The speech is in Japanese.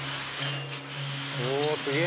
おっすげえ！